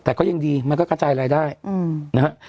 แต่ก็ยังดีมันก็กระจายรายได้นะฮะ